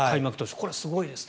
これはすごいですね。